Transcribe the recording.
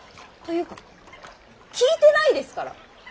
というか聞いてないですから。